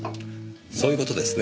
そういう事ですね。